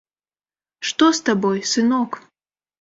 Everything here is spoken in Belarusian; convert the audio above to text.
Што з табой, сынок?